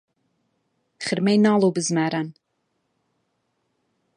خرمەی ناڵ و بزماران